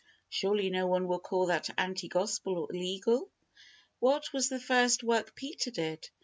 Surely no one will call that anti Gospel or legal. What was the first work Peter did?